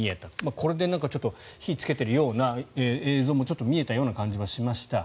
これでちょっと火をつけているような映像も見えたような感じもしました。